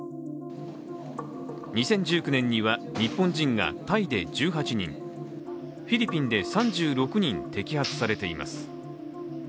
２０１９年には日本人がタイで１８人、フィリピンで３６人摘発されています。